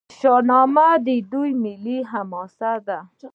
شاهنامه د دوی ملي حماسه ده.